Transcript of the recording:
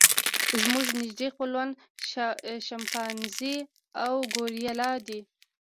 زموږ نږدې خپلوان شامپانزي او ګوریلا دي.